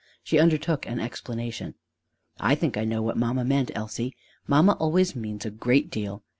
She undertook an explanation: "I think I know what mamma meant, Elsie. Mamma always means a great deal.